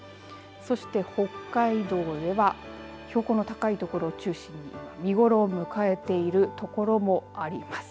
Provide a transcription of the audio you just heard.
そして北海道では標高の高いところを中心に見頃を迎えているところもあります。